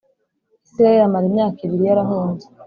Isirayeli amara imyaka ibiri yarahunze